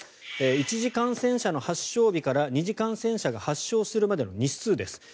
一次感染者の発症日から二次感染者が発症するまでの日数です。